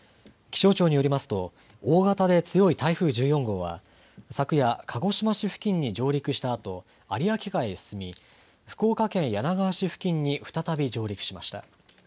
気象庁によりますと大型で強い台風１４号は昨夜、鹿児島市付近に上陸したあと有明海へ進み福岡県柳川市付近に再び上陸しました。